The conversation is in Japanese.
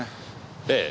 ええ。